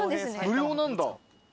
無料なんだ。